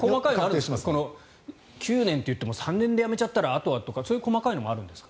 ９年といっても３年で辞めちゃったらとかあとはとか細かいのもあるんですか？